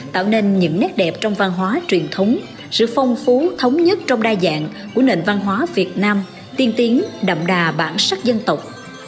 tạo nên những nét đẹp trong văn hóa truyền thống sự phong phú thống nhất trong đa dạng của nền văn hóa việt nam tiên tiến đậm đà bản sắc dân tộc